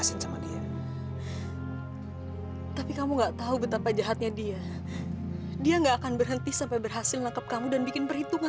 sampai jumpa di video selanjutnya